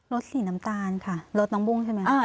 สีน้ำตาลค่ะรถน้องบุ้งใช่ไหม